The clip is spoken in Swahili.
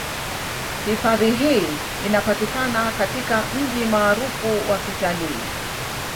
Hifadhi hii inapatikana katika mji maarufu wa Kitalii